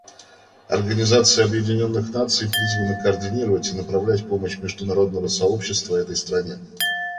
Организация Объединенных Наций призвана координировать и направлять помощь международного сообщества этой стране.